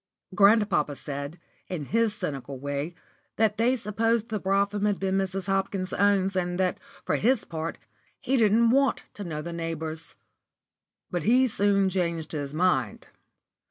Grandpapa said, in his cynical way, that they supposed the brougham was Mrs. Hopkins's own, and that, for his part, he didn't want to know the neighbours. But he soon changed his mind.